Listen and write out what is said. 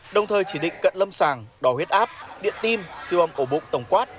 đồng thời chỉ định cận lâm sàng đỏ huyết áp điện tim siêu âm ổ bụng tổng quát